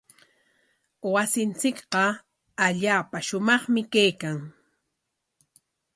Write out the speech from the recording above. Wasinchikqa allaapa shumaqmi kaykan.